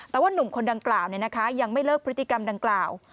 แต่ว่านุ่มคนดังกล่าวยังไม่เลิกพฤติกรรมดังกล่าว